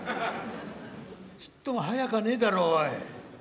「ちっとも早かねえだろおい。